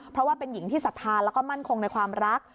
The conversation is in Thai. เพราะว่าเป็นหญิงที่ศรัทธาแล้วก็มั่นคงในความรัก